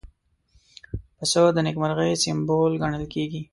پسه د نېکمرغۍ سمبول ګڼل کېږي.